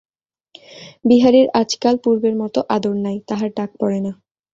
বিহারীর আজকাল পূর্বের মতো আদর নাই–তাহার ডাক পড়ে না।